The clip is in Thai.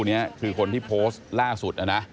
นี่คือคนที่โพสต์ล่าสุดนะ